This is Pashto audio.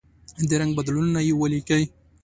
د رنګ بدلونونه یې ولیکئ.